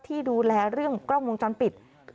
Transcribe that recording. ที่ดูแลเรื่องกล้องวงจรปิด